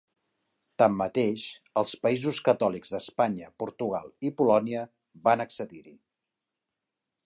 Tanmateix, els països catòlics d'Espanya, Portugal i Polònia van accedir-hi.